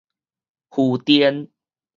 負電